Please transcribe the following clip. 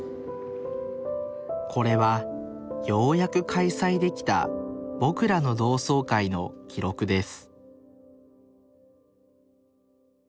これはようやく開催できたぼくらの同窓会の記録です